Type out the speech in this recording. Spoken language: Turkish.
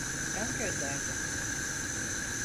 Ben gönderdim.